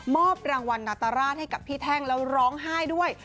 รางวัลนาตราชให้กับพี่แท่งแล้วร้องไห้ด้วย